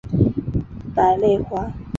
百簕花是爵床科百簕花属的植物。